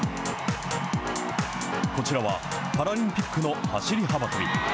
こちらは、パラリンピックの走り幅跳び。